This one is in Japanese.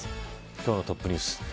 今日のトップニュース。